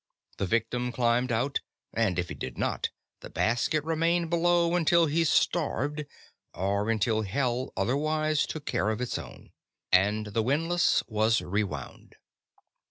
The victim climbed out and if he did not, the basket remained below until he starved or until Hell otherwise took care of its own and the windlass was rewound.